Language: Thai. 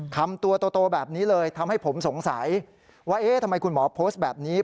คำตัวโตแบบนี้เลยทำให้ผมสงสัยว่าเอ๊ะทำไมคุณหมอโพสต์แบบนี้